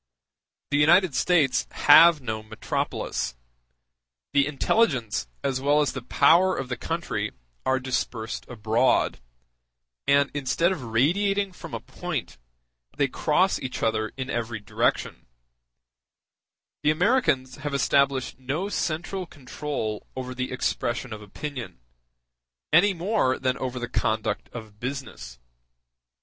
The United States have no metropolis; the intelligence as well as the power of the country are dispersed abroad, and instead of radiating from a point, they cross each other in every direction; the Americans have established no central control over the expression of opinion, any more than over the conduct of business.